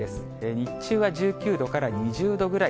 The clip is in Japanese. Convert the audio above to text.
日中は１９度から２０度ぐらい。